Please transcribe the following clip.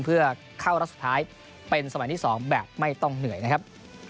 เพื่อเข้ารักสุดท้ายเป็นสมัยที่๒แบบไม่ต้องเหนื่อยนะครับ